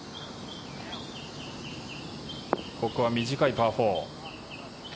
ここは短いパー４。